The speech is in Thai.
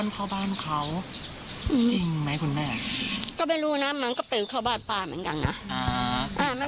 เขาไม่ได้ตั้งใจขายเรื่องนกหรอกนะ